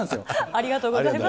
ありがとうございます。